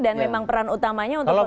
dan memang peran utamanya untuk bawaslu